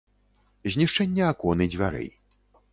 Знішчэнне акон і дзвярэй.